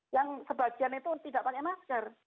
yang sebagian itu tidak pakai masker